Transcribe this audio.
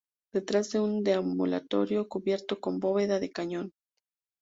Detrás un deambulatorio cubierto con bóveda de cañón.